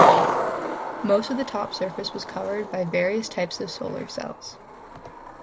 Most of the top surface was covered by various types of solar cells.